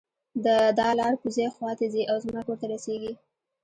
دا لار کوزۍ خوا ته ځي او زما کور ته رسیږي